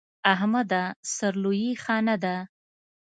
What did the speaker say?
احمده! سر لويي ښه نه ده.